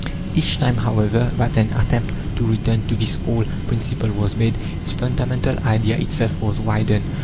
Each time, however, that an attempt to return to this old principle was made, its fundamental idea itself was widened.